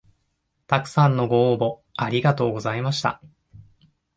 たくさんのご応募ありがとうございました